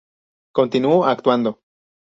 Continuó actuando.